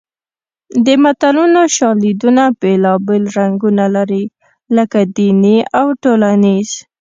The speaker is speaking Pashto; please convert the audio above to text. د متلونو شالیدونه بېلابېل رنګونه لري لکه دیني او ټولنیز